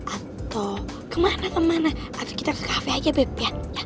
atau kemana mana atau kita ke kafe aja beb